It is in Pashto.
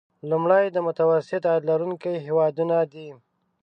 لومړی د متوسط عاید لرونکي هیوادونه دي.